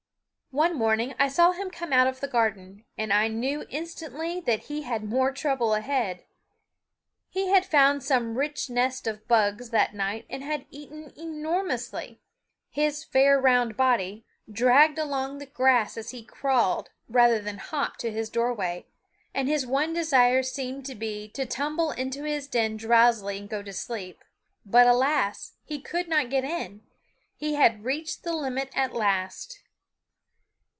One morning I saw him come out of the garden, and I knew instantly that he had more trouble ahead. He had found some rich nests of bugs that night and had eaten enormously; his "fair round body" dragged along the grass as he crawled rather than hopped to his doorway, and his one desire seemed to be to tumble into his den drowsily and go to sleep. But alas! he could not get in. He had reached the limit at last.